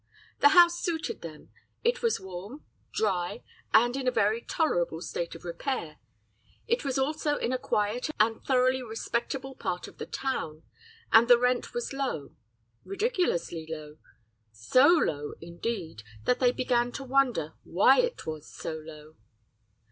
"The house suited them; it was warm, dry, and in a very tolerable state of repair; it was also in a quiet and thoroughly respectable part of the town, and the rent was low ridiculously low so low, indeed, that they began to wonder why it was so low.